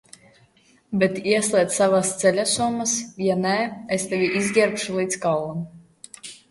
Bet ieslēdz savas ceļasomas, ja nē, es tevi izģērbšu līdz kaulam!